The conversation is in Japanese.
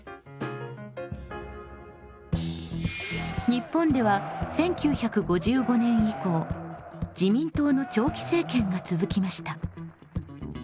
日本では１９５５年以降自民党の長期政権が続きました。